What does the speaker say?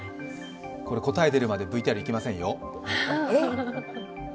答え出るまでＶＴＲ、行きませんよ。